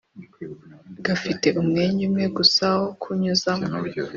gafite umwenge umwe gusa wo kunyuzamo